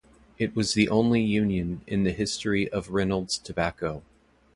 It was the only union in the history of Reynolds Tobacco.